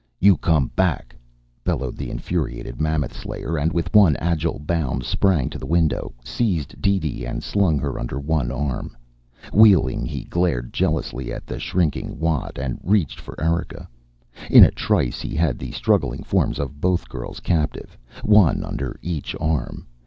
"You come back!" bellowed the infuriated Mammoth Slayer, and with one agile bound sprang to the window, seized DeeDee and slung her under one arm. Wheeling, he glared jealously at the shrinking Watt and reached for Erika. In a trice he had the struggling forms of both girls captive, one under each arm.